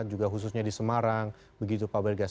juga khususnya di semarang begitu pak bergas